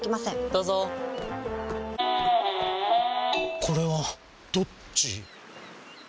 どうぞこれはどっち？